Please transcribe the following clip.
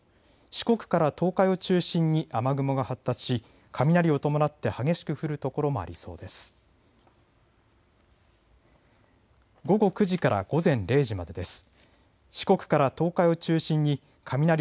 四国から東海を中心に雨雲が発達し雷を伴って激しく降る所もありそうです。